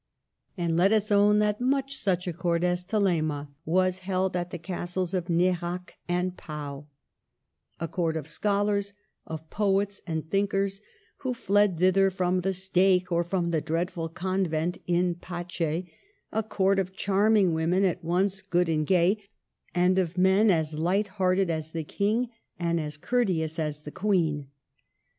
And let us own that much such a court as Thelema was held at the castles of Nerac and of Pau, — a court of scholars, of poets and thinkers, who fled thither from the stake or from the dreadful convent in pace ; a court of charming women at once good and gay, and of men as light hearted as the King and as cour teous as the Queen.